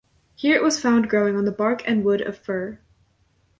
Here it was found growing on the bark and wood of fir.